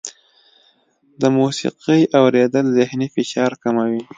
د موسیقۍ اورېدل ذهني فشار کموي.